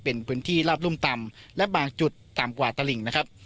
เป็นพื้นที่ลาบรุ่มต่ำและบางจุดต่ำกว่าตลิ่งนะครับ